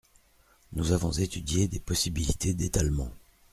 Nous avons étudié des possibilités d’étalement.